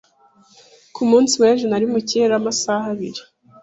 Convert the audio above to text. Ku munsi w'ejo nari mu kirere amasaha abiri.